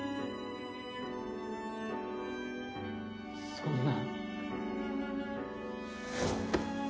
そんな。